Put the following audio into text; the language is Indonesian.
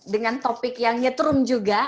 dengan topik yang nyetrum juga